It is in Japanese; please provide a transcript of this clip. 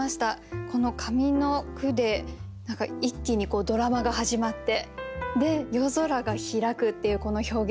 この上の句で何か一気にドラマが始まってで「夜空が開く」っていうこの表現。